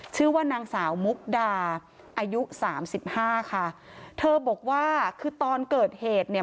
ชื่อว่านางสาวมุกดาอายุสามสิบห้าค่ะเธอบอกว่าคือตอนเกิดเหตุเนี่ย